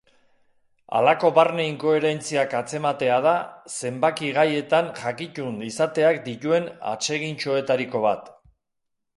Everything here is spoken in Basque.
Halako barne-inkoherentziak atzematea da zenbaki-gaietan jakitun izateak dituen atsegintxoetariko bat.